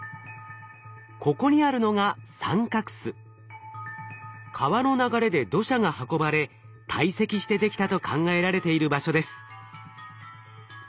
ここにあるのが川の流れで土砂が運ばれ堆積してできたと考えられている場所です。